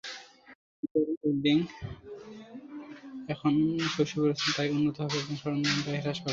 Laser welding প্রযুক্তি এখনও শৈশবে রয়েছে তাই উন্নতি হবে এবং সরঞ্জামের ব্যয় হ্রাস পাবে।